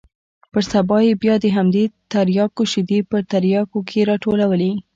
پر سبا يې بيا د همدې ترياکو شېدې په ترياكيو کښې راټولولې.